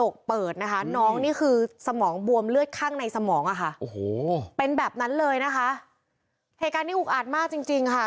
ค่ะโอ้โหเป็นแบบนั้นเลยนะคะเหตุการณ์นี้อุกอาจมากจริงจริงค่ะ